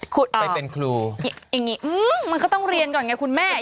ไปเป็นครูอย่างนี้มันก็ต้องเรียนก่อนไงคุณแม่